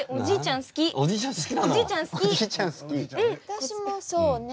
私もそうね。